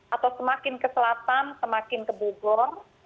atau semakin ke selatan semakin ke bogor